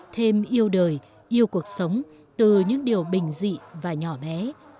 thêm yêu đời yêu cuộc sống từ những điều bình dị và nhỏ bé